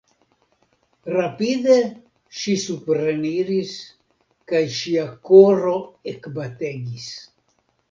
Rapide ŝi supreniris kaj ŝia koro ekbategis.